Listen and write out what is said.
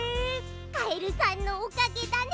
カエルさんのおかげだね。